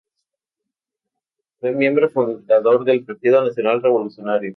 Fue miembro fundador del Partido Nacional Revolucionario.